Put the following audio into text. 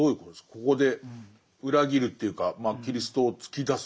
ここで裏切るというかまあキリストを突き出す。